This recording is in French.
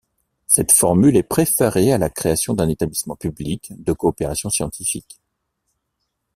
Cette formule est préférée à la création d’un Établissement public de coopération scientifique.